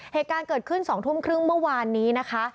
เหตุการณ์เกิดขึ้น๒ทุ่มครึ่งเมื่อวานนี้นะคะ